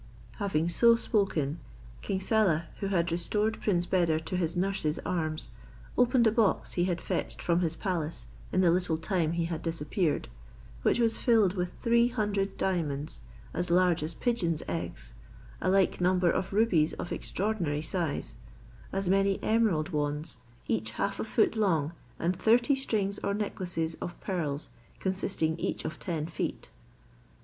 Having so spoken, King Saleh, who had restored Prince Beder to his nurse's arms, opened a box he had fetched from his palace in the little time he had disappeared, which was filled with three hundred diamonds, as large as pigeons' eggs; a like number of rubies of extraordinary size; as many emerald wands, each half a foot long, and thirty strings or necklaces of pearl consisting each of ten feet.